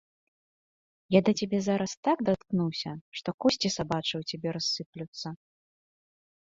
Я да цябе зараз так даткнуся, што косці сабачыя ў цябе рассыплюцца!